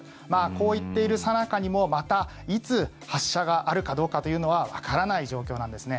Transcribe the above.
こう言っているさなかにもまた、いつ発射があるかどうかというのはわからない状況なんですね。